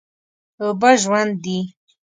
اوبه ژوند دي.